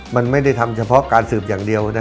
มันไม่ได้ทำเฉพาะการสืบอย่างเดียวนะ